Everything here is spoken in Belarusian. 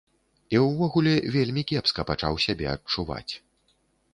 І ўвогуле, вельмі кепска пачаў сябе адчуваць.